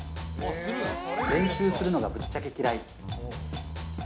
練習するのがぶっちゃけ嫌い。